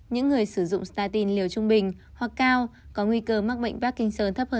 những người sử dụng startin liều trung bình hoặc cao có nguy cơ mắc bệnh parkinson thấp hơn